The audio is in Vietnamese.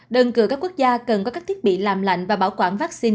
đơn cửa các quốc gia cần có các thiết bị làm lạnh và bảo quản vắc xin